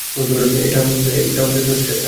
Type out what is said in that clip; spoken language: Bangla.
এটা স্ট্যাশ ম্যাশার।